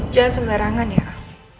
jangan sembarangan ya al